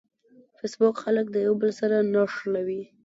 فېسبوک خلک د یوه بل سره نښلوي.